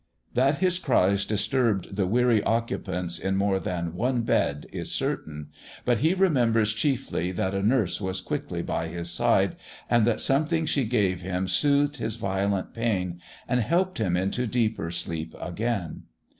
That his cries disturbed the weary occupants in more than one bed is certain, but he remembers chiefly that a nurse was quickly by his side, and that something she gave him soothed his violent pain and helped him into deeper sleep again.